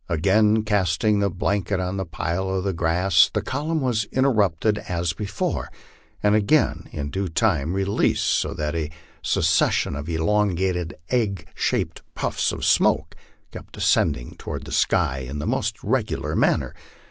Again casting the blanket on the pile of grass, the column was interrupted as before, and again in due time released, so that a succession of elongated, egg shaped puffs of smoke kept ascending toward the sky in the most regular manner.